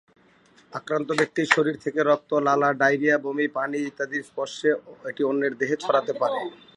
আক্রান্ত ব্যক্তির শরীর থেকে রক্ত, লালা, ডায়রিয়া, বমি, পানি ইত্যাদির স্পর্শে এটি অন্যের দেহে ছড়াতে পারে।